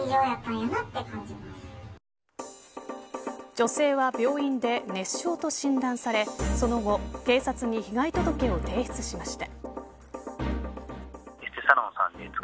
女性は病院で熱傷と診断されその後警察に被害届を提出しました。